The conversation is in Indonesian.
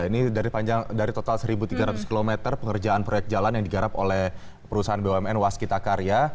ini dari total satu tiga ratus km pengerjaan proyek jalan yang digarap oleh perusahaan bumn waskita karya